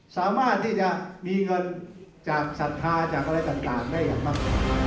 สามารถที่จะมีเงินจากศรัทธาจากอะไรต่างได้อย่างมาก